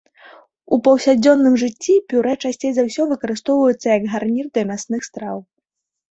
У паўсядзённым жыцці пюрэ часцей за ўсё выкарыстоўваецца як гарнір да мясных страў.